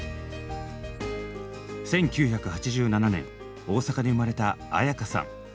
１９８７年大阪に生まれた絢香さん。